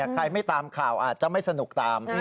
ใครไม่ตามข่าวอาจจะไม่สนุกตาม